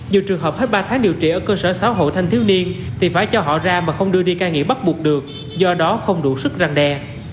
dù trường hợp hết ba tháng điều trị ở cơ sở sáu hộ thanh thiếu niên thì phải cho họ ra mà không đưa đi cai nghiện bắt buộc được do đó không đủ sức răng đe